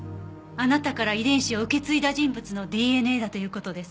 あなたから遺伝子を受け継いだ人物のＤＮＡだという事です。